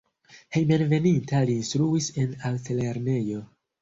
Hejmenveninta li instruis en Altlernejo.